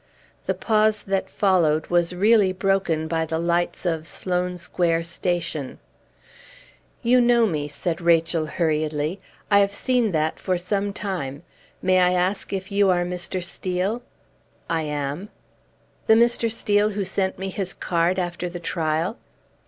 The pause that followed was really broken by the lights of Sloane Square station. "You know me," said Rachel, hurriedly; "I have seen that for some time. May I ask if you are Mr. Steel?" "I am." "The Mr. Steel who sent me his card after the trial?"